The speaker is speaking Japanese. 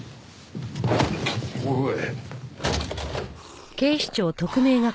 おい。